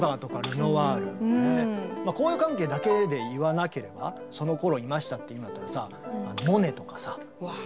交友関係だけで言わなければそのころいましたって言うんだったらさ